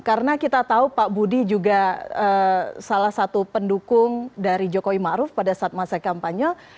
karena kita tahu pak budi juga salah satu pendukung dari jokowi maruf pada saat masa kampanye